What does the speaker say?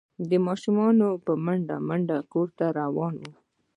ماشومان په منډه منډه کور ته روان وو۔